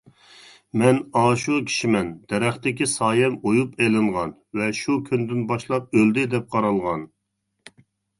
مەن ئاشۇ كىشىمەن دەرەختىكى سايەم ئويۇپ ئېلىنغان، ۋە شۇ كۈندىن باشلاپ ئۆلدى دەپ قارالغان.